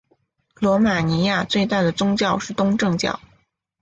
罗马尼亚最大的宗教是东正教。